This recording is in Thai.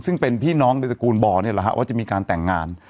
ซึ่งเป็นพี่น้องในตระกูลบ่อนี่แหละฮะว่าจะมีการแต่งงาน